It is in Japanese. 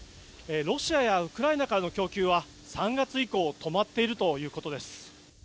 ロシアやウクライナからの供給は３月以降止まっているということです。